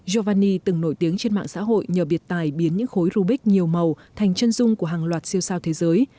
jovni từng nổi tiếng trên mạng xã hội nhờ biệt tài biến những khối rubik nhiều màu thành chân dung của hàng loạt siêu sao thế giới